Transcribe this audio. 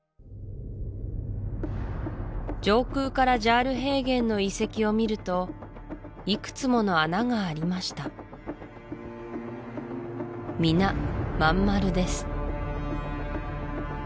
上空からジャール平原の遺跡を見るといくつもの穴がありましたみなまん丸です